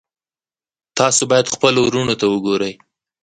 تاسو باید خپلو وروڼو ته وګورئ.